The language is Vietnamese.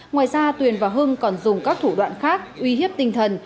ngoài ra tuyền và hưng còn dùng các thủ đoạn khác uy hiếp tinh thần